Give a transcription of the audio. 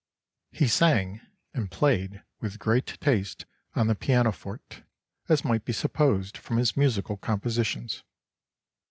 He sang, and played with great taste on the pianoforte, as might be supposed from his musical compositions.